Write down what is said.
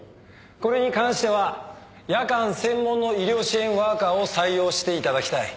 これに関しては夜間専門の医療支援ワーカーを採用していただきたい。